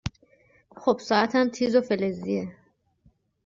خوب ساعتم تیز و فلزیه